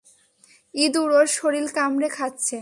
ইঁদুর ওর শরীর কামড়ে খাচ্ছে।